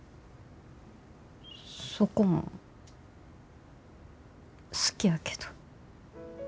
そこも好きやけど。